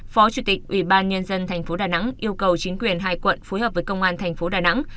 phó chủ tịch ủy ban nhân dân tp đà nẵng yêu cầu chính quyền hai quận phối hợp với công an tp đà nẵng